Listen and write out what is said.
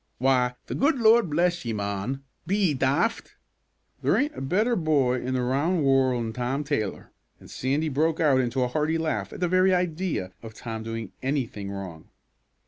"Why, the guid Lord bless ye, mon! be ye daft? There ain't a better boy i' the roun' warl'n Tom Taylor!" and Sandy broke into a hearty laugh at the very idea of Tom doing any thing wrong.